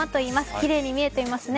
きれいに見えていますね。